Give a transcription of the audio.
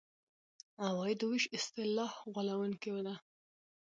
عوایدو وېش اصطلاح غولوونکې ده.